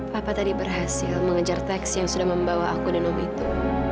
papa tadi berhasil mengejar teks yang sudah membawa aku dan om itu